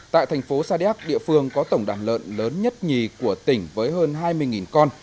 tại thành phố sa điác địa phương có tổng đàn lợn lớn nhất nhì của tỉnh với hơn hai mươi con